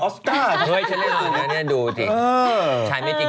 ซดซดซดซดไม่ได้